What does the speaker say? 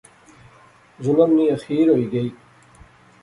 ظلم نی آخیر ہوئی گئی